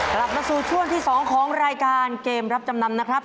กลับมาสู่ช่วงที่๒ของรายการเกมรับจำนำนะครับ